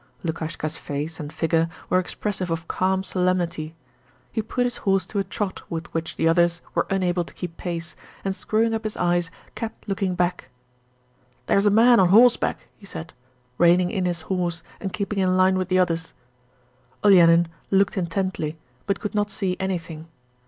Lukashka's face and figure were expressive of calm solemnity. He put his horse to a trot with which the others were unable to keep pace, and screwing up his eyes kept looking ahead. 'There's a man on horseback,' he said, reining in his horse and keeping in line with the others. Olenin looked intently, but could not see anything.